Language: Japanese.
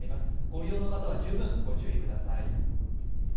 ご利用の方は十分ご注意ください。